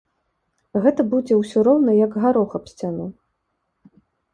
Гэта будзе ўсё роўна, як гарох аб сцяну.